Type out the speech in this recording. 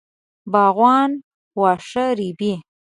باغوانان واښه رېبي.